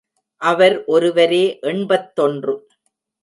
அவர் ஒருவரே எண்பத்தொன்று.